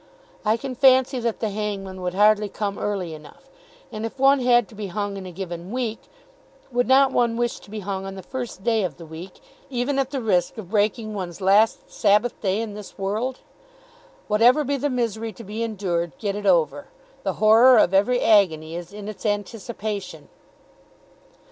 I can fancy that the hangman would hardly come early enough. And if one had to be hung in a given week, would not one wish to be hung on the first day of the week, even at the risk of breaking one's last Sabbath day in this world? Whatever be the misery to be endured, get it over. The horror of every agony is in its anticipation.